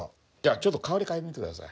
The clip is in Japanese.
ちょっと香り嗅いでみて下さい。